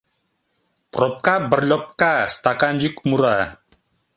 Пробка бырльопка, стакан йӱк мура.